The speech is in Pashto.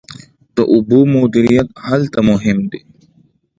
د اوبو مدیریت هلته مهم دی.